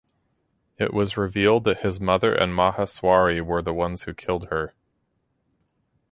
It was revealed that his mother and Maheswari were the ones who killed her.